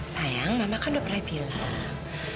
sayang mama kan udah pernah bilang